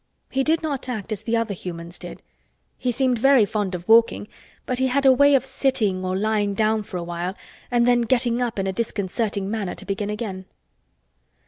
He did not act as the other humans did. He seemed very fond of walking but he had a way of sitting or lying down for a while and then getting up in a disconcerting manner to begin again.